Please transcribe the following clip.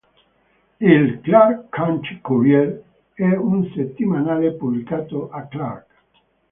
Il "Clark County Courier" è un settimanale pubblicato a Clark.